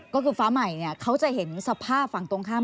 ก็คือฟ้าใหม่เขาจะเห็นสภาพฝั่งตรงข้าม